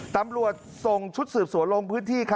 ตำรวจทรงชุดสะอาดหลงพื้นที่